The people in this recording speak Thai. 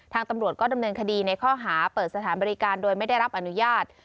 ตำรวจก็ดำเนินคดีในข้อหาเปิดสถานบริการโดยไม่ได้รับอนุญาต